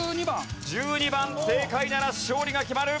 正解なら勝利が決まる。